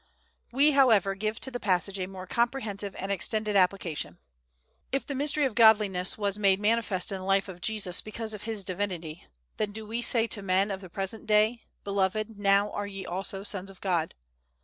We, however, give to the passage a more comprehensive and extended application. If the "Mystery of Godliness" was made manifest in the life of Jesus because of his divinity, then do we say to the men of the present day, "Beloved, now are ye also sons of God."